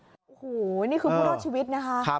โอ้โหนี่คือผู้รอดชีวิตนะคะ